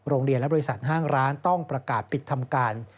โรงเรียนและบริษัทห้างร้านต้องประกาศปิดทำการ